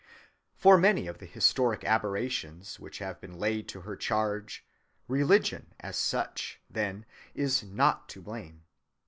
For many of the historic aberrations which have been laid to her charge, religion as such, then, is not to blame.